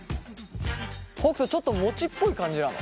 北斗ちょっと餅っぽい感じなの？